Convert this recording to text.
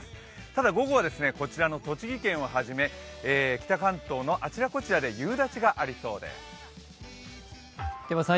ただ午後は、こちらの栃木県をはじめ北関東のあちらこちらで夕立がありそうです。